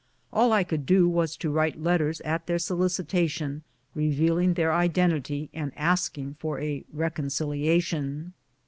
All I could do was to write letters at their solicitation, revealing their identity and asking for a reconciliation.